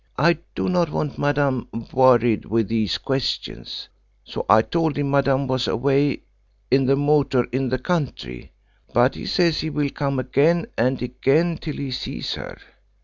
I do not want Madame worried with these questions, so I told him Madame was away in the motor in the country; but he says he will come again and again till he sees her.